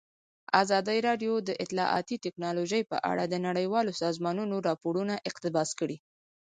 ازادي راډیو د اطلاعاتی تکنالوژي په اړه د نړیوالو سازمانونو راپورونه اقتباس کړي.